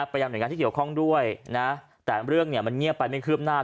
ยังหน่วยงานที่เกี่ยวข้องด้วยนะแต่เรื่องเนี่ยมันเงียบไปไม่คืบหน้า